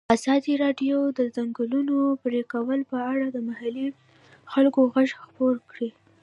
ازادي راډیو د د ځنګلونو پرېکول په اړه د محلي خلکو غږ خپور کړی.